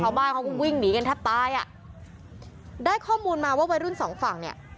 ชาวบ้านเขาก็วิ่งหนีกันแทบตายอ่ะได้ข้อมูลมาว่าวัยรุ่นสองฝั่งเนี่ย